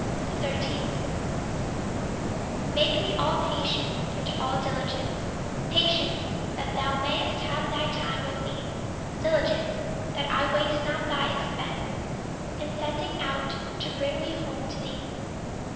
13. Make me all patience and all diligence; Patience, that thou mayst have thy time with me; Diligence, that I waste not thy expense In sending out to bring me home to thee.